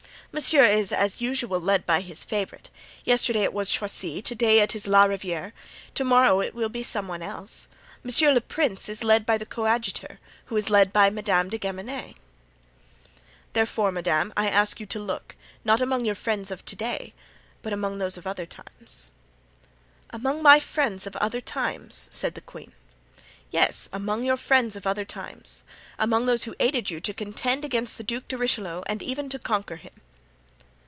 Monsieur is, as usual, led by his favorite; yesterday it was Choisy, to day it is La Riviere, to morrow it will be some one else. Monsieur le Prince is led by the coadjutor, who is led by Madame de Guemenee." "Therefore, madame, I ask you to look, not among your friends of to day, but among those of other times." "Among my friends of other times?" said the queen. "Yes, among your friends of other times; among those who aided you to contend against the Duc de Richelieu and even to conquer him."